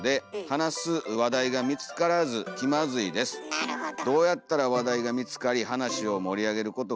なるほど。